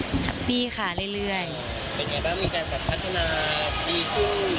เป็นอย่างไรบ้างมีแก่สัตว์พัฒนาดีขึ้นหรือยังไง